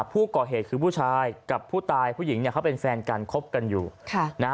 ผู้ก่อเหตุคือผู้ชายกับผู้ตายผู้หญิงเนี่ยเขาเป็นแฟนกันคบกันอยู่ค่ะนะฮะ